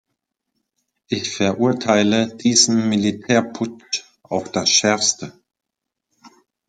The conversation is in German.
Ich verurteile diesen Militärputsch auf das Schärfste.